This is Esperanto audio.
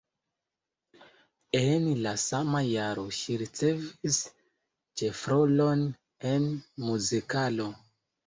En la sama jaro ŝi ricevis ĉefrolon en muzikalo.